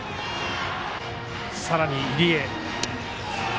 さらに入江。